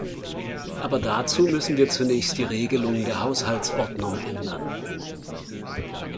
Aber dazu müssen wir zunächst die Regelung der Haushaltsordnung ändern.